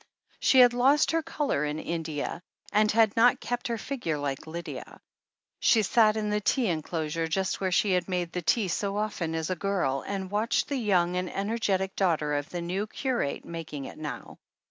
She had lost her colour in India, and had not kept her figure, like Lydia. She sat in the tea enclosure, just where she had made the tea so often as a girl, and watched the young and energetic daughter of the new curate making it now.